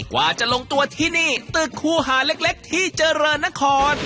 กว่าจะลงตัวที่นี่ตึกคู่หาเล็กที่เจริญนคร